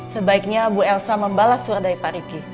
sebaiknya bu elsa membalas surat dari pak riki